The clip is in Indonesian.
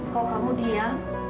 kalau kamu dia